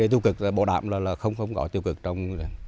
cái vấn đề tiêu cực bổ đạm là không gọi tiêu cực trong